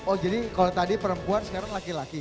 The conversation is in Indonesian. oh jadi kalau tadi perempuan sekarang laki laki